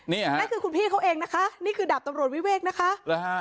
นี่คือคุณพี่เขาเองนะคะนี่คือดับตำรวจวิเวกนะคะ